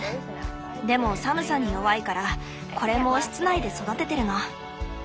でも寒さに弱いからこれも室内で育ててるの。